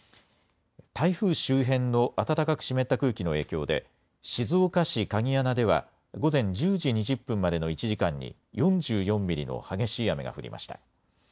台風周辺の暖かく湿った空気の影響で静岡市鍵穴では午前１０時２０分までの１時間に４４ミリの激しい雨が降りました。